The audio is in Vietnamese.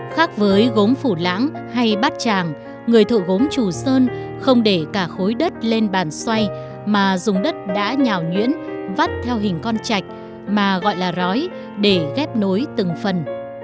khác với gốm phủ lãng hay bát tràng người thợ gốm trù sơn không để cả khối đất lên bàn xoay mà dùng đất đã nhào nhuyễn vắt theo hình con chạch mà gọi là rói để ghép nối từng phần